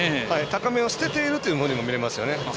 高めを捨てているというふうにも見れますよね。